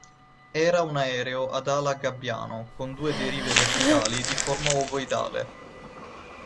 Era un aereo ad ala a gabbiano con due derive verticali di forma ovoidale.